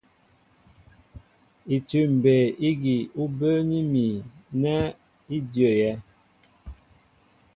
Itʉ̂m mbey ígi ú bə́ə́ní mi nɛ í ndyə́yɛ́.